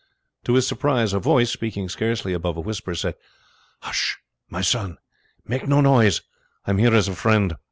To his surprise a voice, speaking scarcely above a whisper, said: "Hush! my son, make no noise; I am here as a friend."